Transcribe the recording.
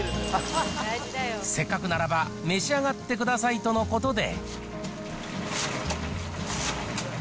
せっかくならば召し上がってくださいとのことで。